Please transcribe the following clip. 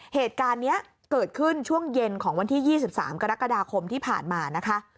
เหตุการณ์นี้เกิดขึ้นช่วงเย็นของวันที่๒๓กรกฎาคมที่ผ่านมานะคะ